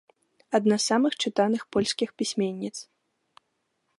Адна з самых чытаных польскіх пісьменніц.